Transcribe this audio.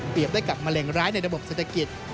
เปรียบได้กับแมลงร้ายในระบบเศรษฐกิจ